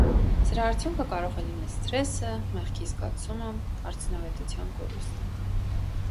Սրա արդյունքը կարող է լինել սթրեսը, մեղքի զգացումը, արդյունավետության կորուստը։